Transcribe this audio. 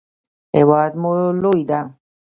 هیواد مو لوی ده.